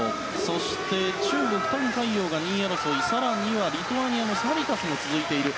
そして、中国タン・カイヨウが２位争い更にはリトアニアのサビカスも続いています。